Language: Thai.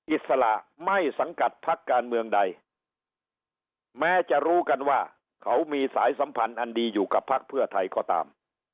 อิสระไม่สังกัดพักการเมืองใดแม้จะรู้กันว่าเขามีสายสัมพันธ์อันดีอยู่กับพักเพื่อไทยก็ตาม